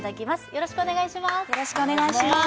よろしくお願いします